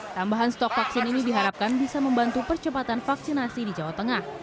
tambahan stok vaksin ini diharapkan bisa membantu percepatan vaksinasi di jawa tengah